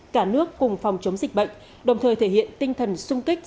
cả nước cùng phòng chống dịch bệnh đồng thời thể hiện tinh thần sung kích